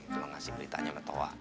kalo ngasih beritanya sama towa